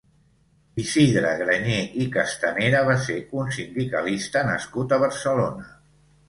Isidre Grañé i Castanera va ser un sindicalista nascut a Barcelona.